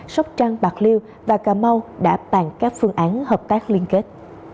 sóc trăng bạc liêu và cà mau đã bàn các phương án hợp tác liên kết